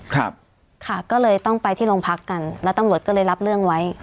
ครับค่ะก็เลยต้องไปที่โรงพักกันแล้วตำรวจก็เลยรับเรื่องไว้